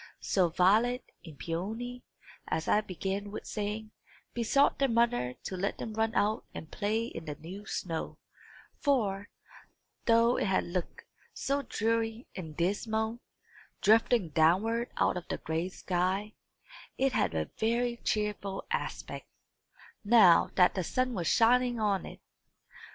So, Violet and Peony, as I began with saying, besought their mother to let them run out and play in the new snow; for, though it had looked so dreary and dismal, drifting downward out of the gray sky, it had a very cheerful aspect, now that the sun was shining on it.